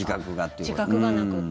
自覚がなくって。